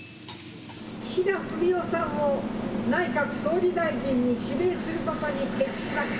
岸田文雄さんを内閣総理大臣に指名することに決しました。